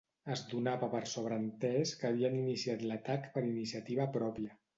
Es donava per sobreentès que havien iniciat l'atac per iniciativa pròpia